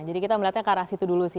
jadi kita melihatnya ke arah situ dulu sih